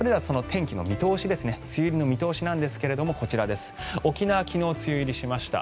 それでは梅雨入りの見通しですがこちら、沖縄昨日、梅雨入りしました。